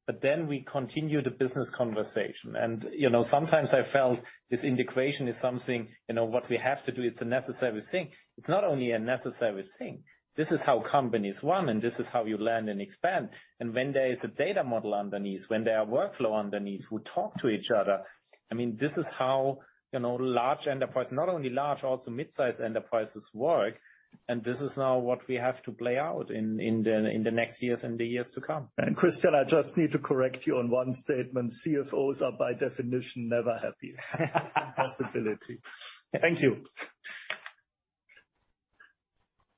but then we continue the business conversation. You know, sometimes I felt this integration is something, you know, what we have to do, it's a necessary thing. It's not only a necessary thing. This is how companies run, and this is how you learn and expand. When there is a data model underneath, when there are workflow underneath who talk to each other, I mean, this is how, you know, large enterprise, not only large, also mid-size enterprises work. This is now what we have to play out in the next years and the years to come. Christian, I just need to correct you on one statement. CFOs are, by definition, never happy. Period. Thank you.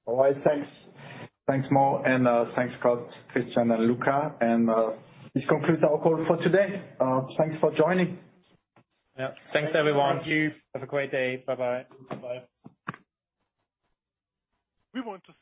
All right. Thanks, Mo, and thanks, Scott, Christian, and Luka. This concludes our call for today. Thanks for joining. Yeah. Thanks, everyone. Thank you. Have a great day. Bye-bye. Bye. We want to thank all.